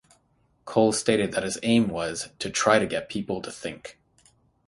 Coles stated that his aim was "to try to get people to think".